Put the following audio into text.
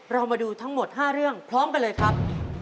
เรามาดูทั้งหมด๕เรื่องพร้อมกันเลยครับ